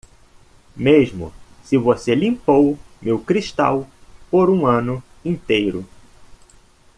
Mesmo se você limpou meu cristal por um ano inteiro...